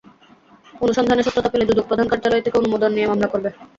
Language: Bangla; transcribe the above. অনুসন্ধানে সত্যতা পেলে দুদক প্রধান কার্যালয় থেকে অনুমোদন নিয়ে মামলা করবে।